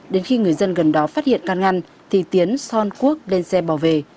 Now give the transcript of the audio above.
đến khi người dân gần đó phát hiện can ngăn thì tiến son quốc lên xe bỏ về